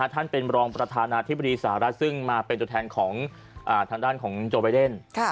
ท่านเป็นรองประธานาธิบดีสหรัฐซึ่งมาเป็นตัวแทนของทางด้านของโจไบเดน